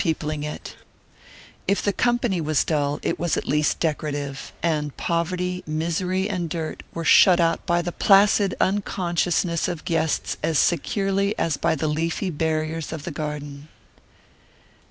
If the company was dull, it was at least decorative; and poverty, misery and dirt were shut out by the placid unconsciousness of the guests as securely as by the leafy barriers of the garden.